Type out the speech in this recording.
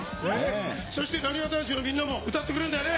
そしてなにわ男子のみんなも歌ってくれるんだよね？